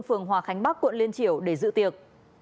phường hòa khánh bắc quận liên triều để dự tiệc